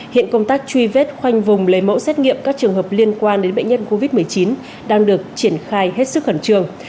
hiện công tác truy vết khoanh vùng lấy mẫu xét nghiệm các trường hợp liên quan đến bệnh nhân covid một mươi chín đang được triển khai hết sức khẩn trương